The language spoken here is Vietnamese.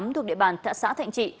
thuộc địa bàn thạ sã thạnh trị